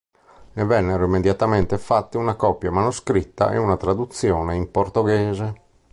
Ne vennero immediatamente fatte una copia manoscritta e una traduzione in portoghese.